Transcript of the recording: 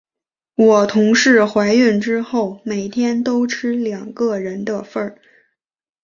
我同事怀孕之后，每天都吃两个人的份。